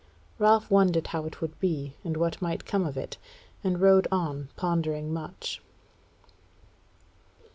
Ralph wondered how it would be, and what might come of it, and rode on, pondering much.